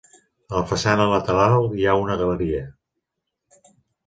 A la façana lateral hi ha una galeria.